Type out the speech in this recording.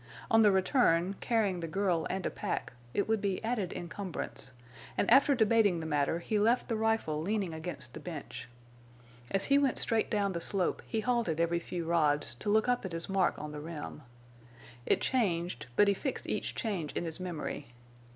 On the return, carrying the girl and a pack, it would be added encumbrance; and after debating the matter he left the rifle leaning against the bench. As he went straight down the slope he halted every few rods to look up at his mark on the rim. It changed, but he fixed each change in his memory.